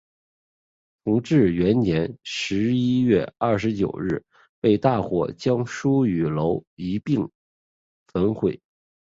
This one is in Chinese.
同治元年十一月二十九日被大火将书与楼一并焚毁。